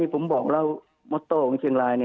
ผมบอกแล้วมโต้ของชี่เชียงร้าย